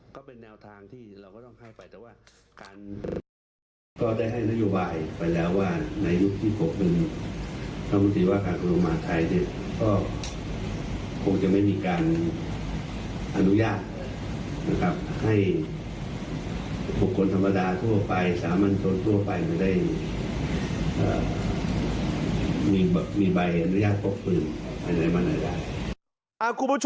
ครับคุณผู้ชมมีอันยาทพกปืนนะครับ